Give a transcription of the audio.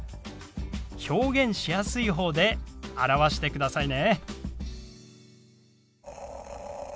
表現しやすい方で表してくださいね。